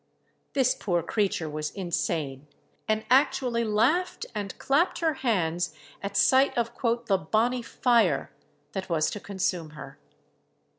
This poor creature was insane, and actually laughed and clapped her hands at sight of "the bonnie fire" that was to consume her.